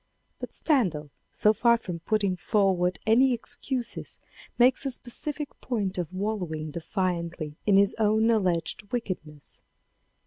But Stendhal so far from putting forward any excuses makes a specific point of wallowing defiantly in his own alleged wickedness.